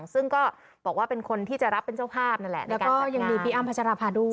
ซึ่งก็บอกว่าเป็นคนที่จะรับเป็นเจ้าภาพนั่นแหละแล้วก็ยังมีพี่อ้ำพัชราภาด้วย